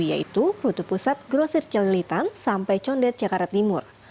yaitu rute pusat grosir celilitan sampai condet jakarta timur